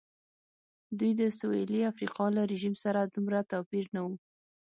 دوی د سوېلي افریقا له رژیم سره دومره توپیر نه و.